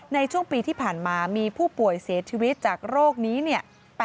ในช่วงปีที่ผ่านมามีผู้ป่วยเสียชีวิตจากโรคนี้เนี่ย